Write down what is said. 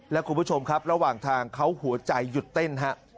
และคุณผู้ชมครับระหว่างทางเขาหัวใจหยุดเต้นฮะ